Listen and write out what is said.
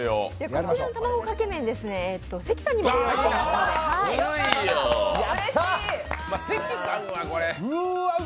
こちらの卵かけ麺関さんにもご用意していますので。